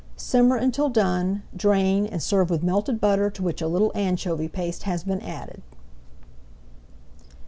Simmer until done, drain, and serve with melted butter to which a little anchovy paste has been added.